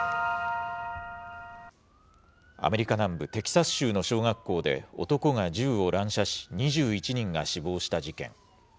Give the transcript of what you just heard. アメリカ南部テキサス州の小学校で、男が銃を乱射し、２１人が死亡した事件。